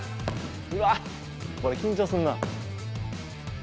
うわー、これ緊張するな。